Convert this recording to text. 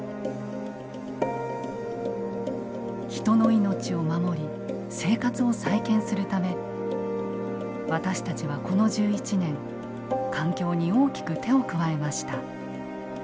人の命を守り生活を再建するため私たちはこの１１年環境に大きく手を加えました。